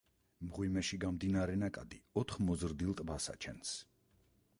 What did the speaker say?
მღვიმეში გამდინარე ნაკადი ოთხ მოზრდილ ტბას აჩენს.